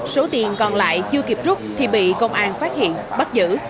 số tiền còn lại chưa kịp rút thì bị công an phát hiện bắt giữ